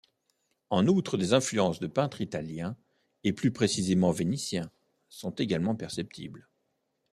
En outre, des influences de peintres italiens, et plus précisément vénitiens, sont également perceptibles.